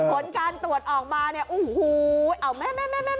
ผลการตรวจออกมาโอ้โฮเอาแม่